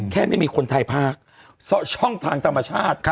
แค่ไม่มีคนไทยภาคเพราะช่องทางต่างประชาติเยอะ